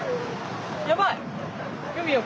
やばい！